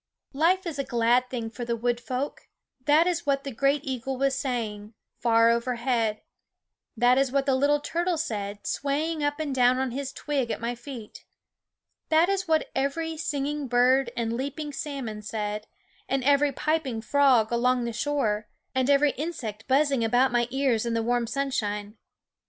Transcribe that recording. Life is a glad thing for the wood folk ; that is what the great eagle was saying, far overhead ; that is what the little turtle said, swaying up and down on his twig at my feet; that is what every singing bird and leaping salmon said, and every piping frog along the shore, and every insect buzzing about my ears in the warm sunshine.